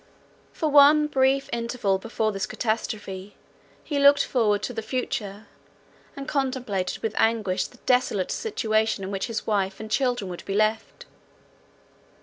For one brief interval before this catastrophe, he looked forward to the future, and contemplated with anguish the desolate situation in which his wife and children would be left.